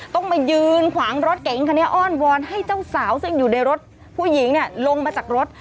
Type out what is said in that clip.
ต้องมายืนขวางรถเก๋งคันนี้อ้อนวอนให้เจ้าสาวซึ่งอยู่ในรถผู้หญิงลงมาจากรถ